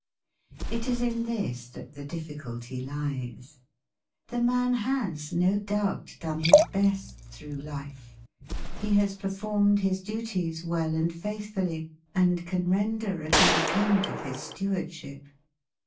It is in this that the difficulty lies. The man has no doubt done his best through life; he has performed his duties well and faithfully, and can render a good account of his stewardship.